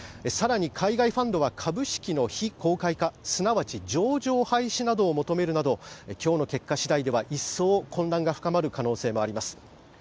更に海外ファンドは株式の非公開化すなわち上場廃止などを求めるなど今日の結果次第では一層混乱が深まる可能性もあります。